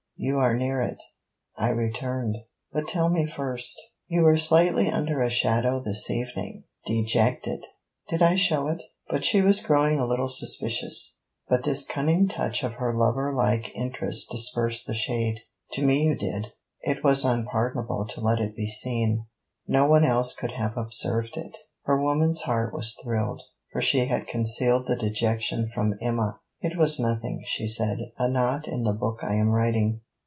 'You are near it. I returned.. But tell me first: You were slightly under a shadow this evening, dejected.' 'Did I show it?' She was growing a little suspicious, but this cunning touch of lover like interest dispersed the shade. 'To me you did.' 'It was unpardonable to let it be seen.' 'No one else could have observed it.' Her woman's heart was thrilled; for she had concealed the dejection from Emma. 'It was nothing,' she said; 'a knot in the book I am writing.